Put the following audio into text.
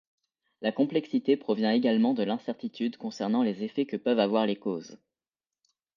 La complexité provient également de l’incertitude concernant les effets que peuvent avoir les causes.